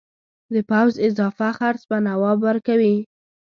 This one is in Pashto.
د پوځ اضافه خرڅ به نواب ورکوي.